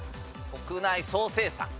国内総生産。